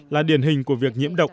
là điển hình của việc nhiễm độc